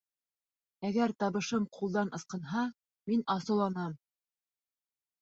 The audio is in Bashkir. — Әгәр табышым ҡулдан ысҡынһа, мин асыуланам.